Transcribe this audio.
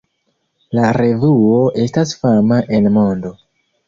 La revuo estas fama en mondo.